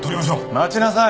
待ちなさい！